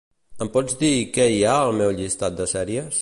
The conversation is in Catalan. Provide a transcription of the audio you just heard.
Em pots dir què hi ha al meu llistat de sèries?